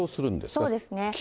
そうですね。